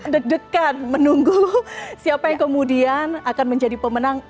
dek dekan menunggu siapa yang kemudian akan menjadi pemenang